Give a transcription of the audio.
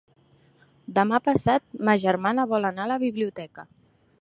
Demà passat ma germana vol anar a la biblioteca.